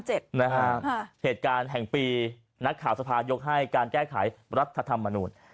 เหตุการณ์แห่งปีนักข่าวสภายกให้การแก้ไขรัฐธรรมนูญ